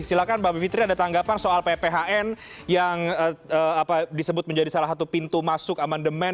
silahkan mbak bivitri ada tanggapan soal pphn yang disebut menjadi salah satu pintu masuk amandemen